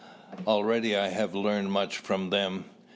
Already I have learned much from them.